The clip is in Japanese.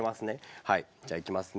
じゃあいきますね。